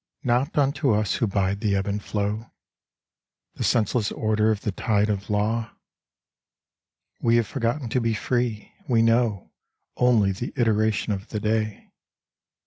Not unto us who bide the ebb and flow, The senseless order of the tide of law. We have forgotten to be free; we know Only the iteration of the day.